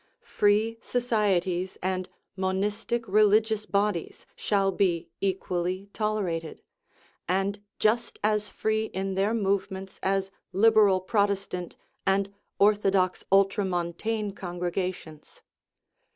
Free societies and monistic religious bodies shall be equally tolerated, and just as free in their movements as Lib eral Protestant and orthodox ultramontane congrega tions.